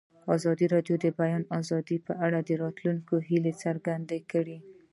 ازادي راډیو د د بیان آزادي په اړه د راتلونکي هیلې څرګندې کړې.